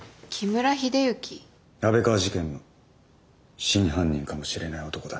安倍川事件の真犯人かもしれない男だ。